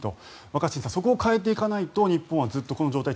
若新さんそこを変えていかないと日本はこの状態